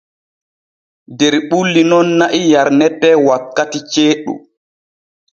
Der ɓulli nun na'i yarnete wankati ceeɗu.